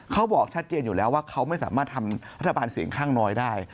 เขาบอกชัดเจนอยู่แล้วว่าเขาไม่สามารถทำรัฐบาลเสียงข้างน้อยได้